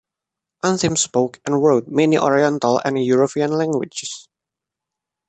Anthim spoke and wrote many Oriental and European languages.